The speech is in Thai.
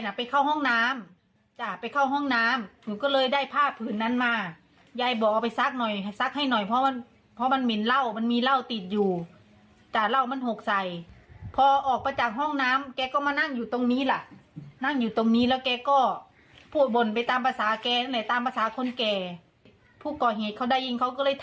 บอกแกก็คุ้นภาษาลาวอย่างนี้จัง